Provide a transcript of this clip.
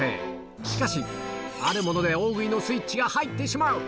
しかし、あるもので大食いのスイッチが入ってしまう。